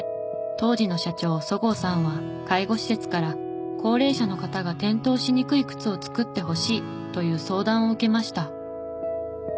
当時の社長十河さんは介護施設から「高齢者の方が転倒しにくい靴を作ってほしい」という相談を受けました。